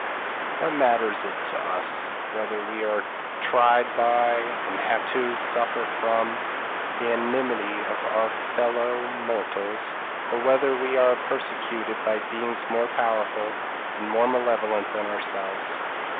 "What matters it to us, whether we are tried by, and have to suffer from, the enmity of our fellow mortals, or whether we are persecuted by beings more powerful and more malevolent than ourselves?